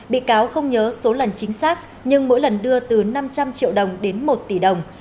bị cáo không nhớ số lần chính xác nhưng mỗi lần đưa từ năm trăm linh triệu đồng đến một tỷ đồng